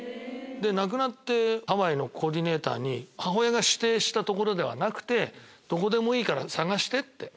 で亡くなってハワイのコーディネーターに「母親が指定した所ではなくてどこでもいいから探して」って。